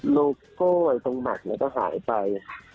โลโก้ไว้ตรงหลังมันก็หายไป